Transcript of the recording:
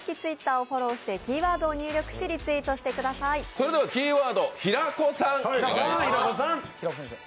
それではキーワード、平子さん、お願いします。